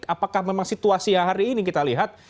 apakah memang situasi yang hari ini kita lihat